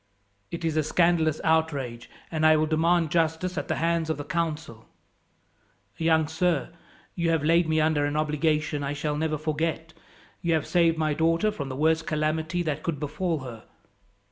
"It is a scandalous outrage, and I will demand justice at the hands of the council. "Young sir, you have laid me under an obligation I shall never forget. You have saved my daughter from the worst calamity that could befall her.